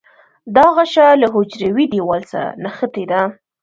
دا غشا له حجروي دیوال سره نښتې وي.